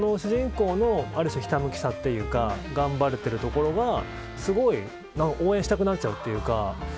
だから、その主人公のある種のひたむきさというか頑張ってるところがすごい応援したくなっちゃうというか。